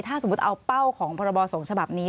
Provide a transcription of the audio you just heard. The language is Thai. ถ้าสมมุติเอาเป้าของพรบสงฆ์ฉบับนี้